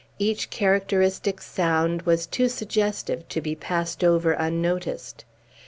Each characteristic sound was too suggestive to be passed over unnoticed.